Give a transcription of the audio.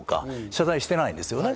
謝罪してないですね。